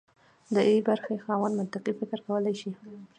د ای برخې خاوند منطقي فکر کولی شي.